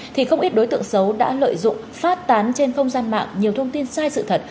thì không ít đối tượng xấu đã lợi dụng phát tán trên không gian mạng nhiều thông tin sai sự thật